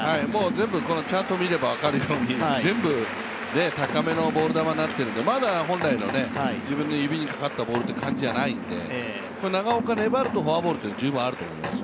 全部このチャート見れば分かるように全部高めのボール球になっているのでまだ本来の自分の指にかかったボールという感じじゃないんで長岡、粘るとフォアボールは十分あると思います。